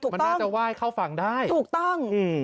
มันน่าจะไหว้เข้าฝั่งได้ถูกต้อง